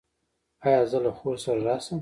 ایا زه له خور سره راشم؟